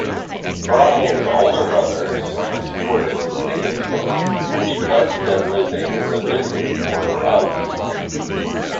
Brahe's older brothers had supported Sigismund which led to them losing the Visingsborg County.